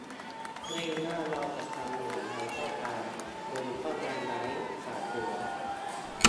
ไม่ว่าเราจะทำอย่างไรก็ตาม ยุงก็ยังร้ายกว่าเสือ